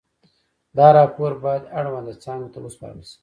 دا راپور باید اړونده څانګو ته وسپارل شي.